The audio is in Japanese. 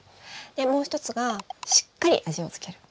でもう１つがしっかり味を付ける。